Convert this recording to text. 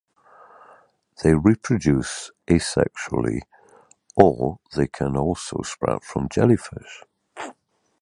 They reproduce asexually or they can also sprout from jellyfish.